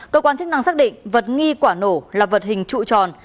cơ quan chức năng xác định vật nghi quả nổ là vật hình trụ tròn